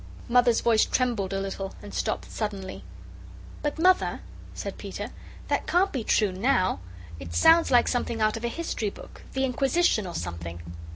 Mother's voice trembled a little and stopped suddenly. "But, Mother," said Peter, "that can't be true NOW. It sounds like something out of a history book the Inquisition, or something."